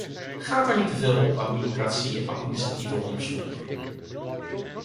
Gaat er niet te veel op aan bureaucratie en administratieve rompslomp?